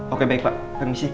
oke baik pak permisi